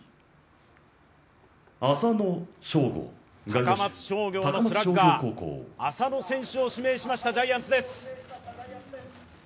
高松商業高校のスラッガー、浅野選手を指名しました、ジャイアンツです。